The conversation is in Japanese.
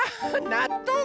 なっとう！